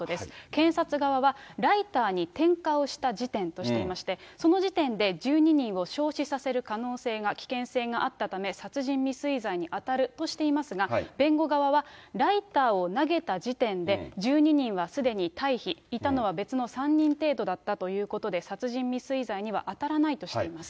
検察側は、ライターに点火をした時点としていまして、その時点で１２人を焼死させる可能性が、危険性があったため、殺人未遂罪に当たるとしていますが、弁護側は、ライターを投げた時点で、１２人はすでに退避、いたのは別の３人程度だったということで、殺人未遂罪には当たらないとしています。